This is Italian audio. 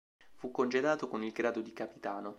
Fu congedato con il grado di capitano.